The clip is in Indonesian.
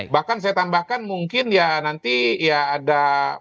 bahkan saya tambahkan mungkin ya nanti ya ada